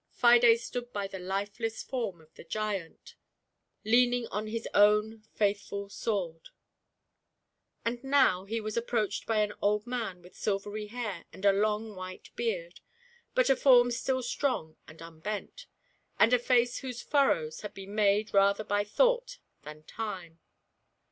Fides stood by the lifeless form of the giant, leaning on his own faithful sword ! And now he was approached by an old man with silvery hah: and a long white beard, but a form still strong and unbent^ and a face whose furrows had been made rather by thought than time.